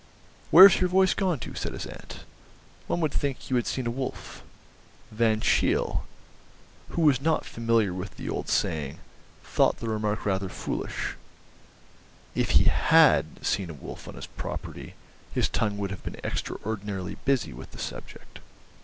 "Where's your voice gone to?" said his aunt. "One would think you had seen a wolf." Van Cheele, who was not familiar with the old saying, thought the remark rather foolish; if he had seen a wolf on his property his tongue would have been extraordinarily busy with the subject.